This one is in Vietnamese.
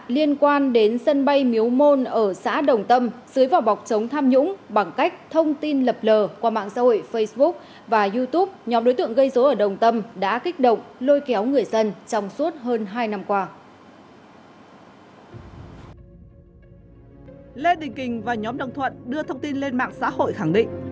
lê đình kỳnh và nhóm đồng thuận đưa thông tin lên mạng xã hội khẳng định